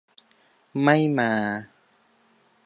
ไม่มา